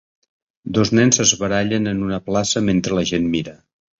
Dos nens es barallen en una plaça mentre la gent mira.